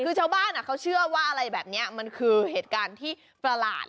คือชาวบ้านเขาเชื่อว่าอะไรแบบนี้มันคือเหตุการณ์ที่ประหลาด